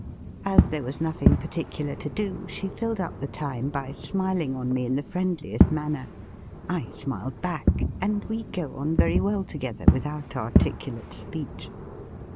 As there was nothing particular to do, she filled up the time by smiling on me in the friendliest manner. I smiled back, and we go on very well together without articulate speech.